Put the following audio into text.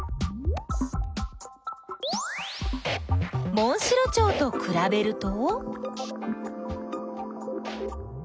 モンシロチョウとくらべると？